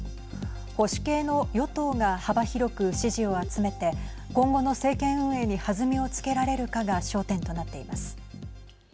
保守系の与党が幅広く支持を集めて今後の政権運営に弾みをつけられるかが焦点となっています。